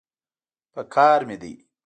پکار مې دی.